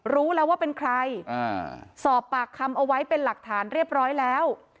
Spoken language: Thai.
รู้แล้วว่าเป็นใครสอบปากคำเอาไว้เป็นหลักฐานเรียบร้อยแล้ว